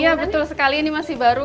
iya betul sekali ini masih baru